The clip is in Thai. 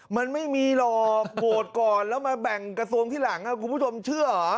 มันไม่มีหรอกโหวตก่อนแล้วมาแบ่งกระทรวงที่หลังคุณผู้ชมเชื่อเหรอ